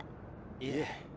いえ。